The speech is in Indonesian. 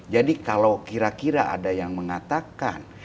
jadi kalau kira kira ada yang mengatakan